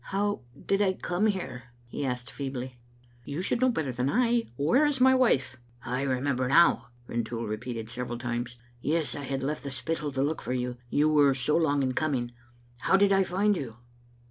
" How did I come here?" he asked feebly. " You should know better than I. Where is my wife?" "I remember now," Rintoul repeated several times, " Yes, I had left the Spittal to look for you — ^you were so long in coming. How did I find you?"